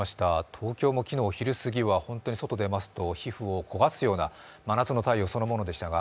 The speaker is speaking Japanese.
東京も昨日昼すぎは外に出ますと皮膚を焦がすような真夏の太陽そのものでしたが